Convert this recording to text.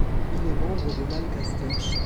Il est membre de Malkasten.